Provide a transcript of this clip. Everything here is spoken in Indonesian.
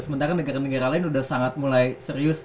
sementara negara negara lain udah mulai serius